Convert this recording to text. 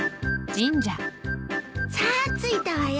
さあ着いたわよ。